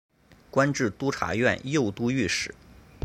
官至都察院右都御史。